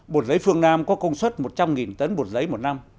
bột lấy phương nam có công suất một trăm linh tấn bột lấy một năm